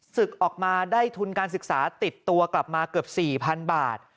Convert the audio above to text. ศึกออกมาได้ทุนการศึกษาติดตัวกลับมาเกือบ๔๐๐๐บาท